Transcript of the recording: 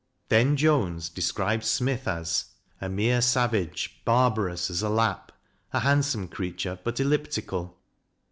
Then Jones describes Smith as A mere savage, barbarous as a Lapp, A handsome creature, but elliptical.